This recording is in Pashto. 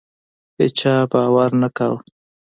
هیچا باور نه کاوه.